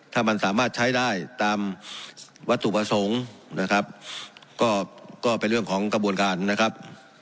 ถ้ามันสามารถใช้ได้ตามวัตถุประสงค์นะครับก็เป็นเรื่องของกระบวนการนะครับ